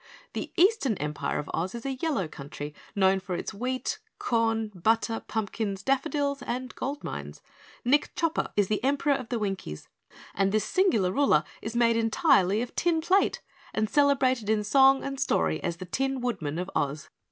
The Eastern Empire of Oz is a yellow country, known for its wheat, corn, butter, pumpkins, daffodils, and gold mines. Nick Chopper is Emperor of the Winkies and this singular ruler is entirely made of tin plate and celebrated in song and story as 'The Tin Woodman of Oz.'"